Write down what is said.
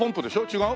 違う？